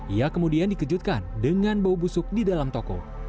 ia kemudian dikejutkan dengan bau busuk di dalam toko